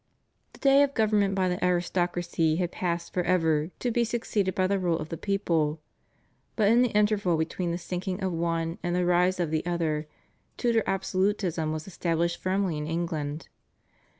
The day of government by the aristocracy had passed for ever to be succeeded by the rule of the people, but in the interval between the sinking of one and the rise of the other Tudor absolutism was established firmly in England.